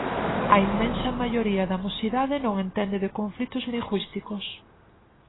A inmensa maioría da mocidade non entende de conflitos lingüísticos.